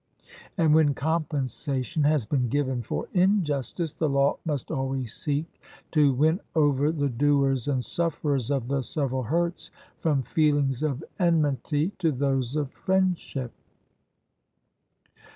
And when compensation has been given for injustice, the law must always seek to win over the doers and sufferers of the several hurts from feelings of enmity to those of friendship.